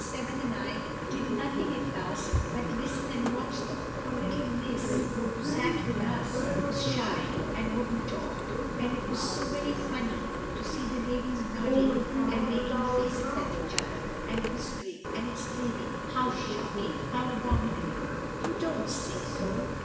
7 and I did nothing at last but listen and watch them; for little Miss, who sat with us, was shy, and wouldn't talk, and it was so very funny to see the ladies nodding and making faces at each other, and whispering, and exclaiming, how shocking! how abominable! you don't say so!